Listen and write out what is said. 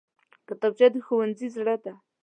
کتابچه د ښوونځي زړه دی